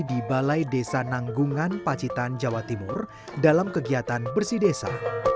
di balai desa nanggungan pacitan jawa timur dalam kegiatan bersih desa